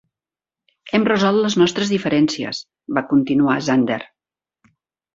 "Hem resolt les nostres diferències", va continuar Zander.